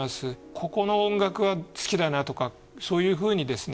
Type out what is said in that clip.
ここの音楽は好きだなとかそういうふうにですね